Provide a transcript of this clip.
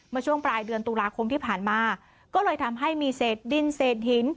ช่วงปลายเดือนตุลาคมที่ผ่านมาก็เลยทำให้มีเศษดินเศษหิน